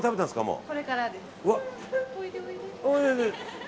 もう。